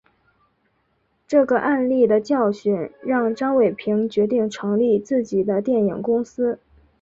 这个案例的教训让张伟平决定成立自己的电影公司。